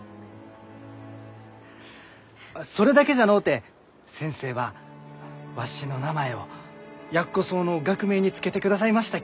それだけじゃのうて先生はわしの名前をヤッコソウの学名に付けてくださいましたき。